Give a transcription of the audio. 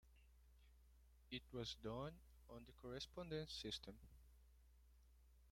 It was done on the correspondence system.